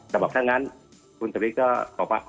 แต่บอกด้านนั้นคุณสมมุติก็บอกว่า